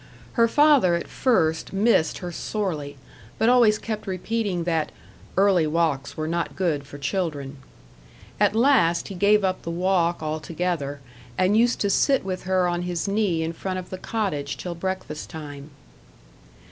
Her father at first missed her sorely, but always kept repeating that "early walks were not good for children." At last he gave up the walk altogether, and used to sit with her on his knee in front of the cottage till breakfast time.